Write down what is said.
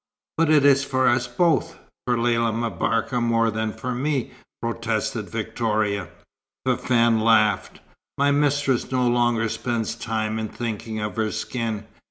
"But it is for us both for Lella M'Barka more than for me," protested Victoria. Fafann laughed. "My mistress no longer spends time in thinking of her skin.